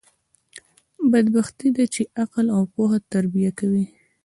بدبختي ده، چي عقل او پوهه تربیه کوي.